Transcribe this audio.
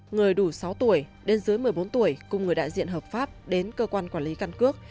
người đủ sáu tuổi đến dưới một mươi bốn tuổi cùng người đại diện hợp pháp đến cơ quan quản lý căn cước